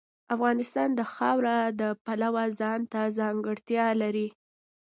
افغانستان د خاوره د پلوه ځانته ځانګړتیا لري.